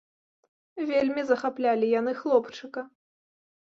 Вельмі захаплялі яны хлопчыка.